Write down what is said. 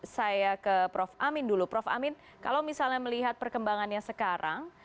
saya ke prof amin dulu prof amin kalau misalnya melihat perkembangannya sekarang